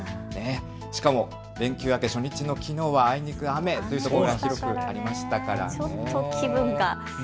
しかも連休明け初日のきのうはあいにく雨というところがありましたからね。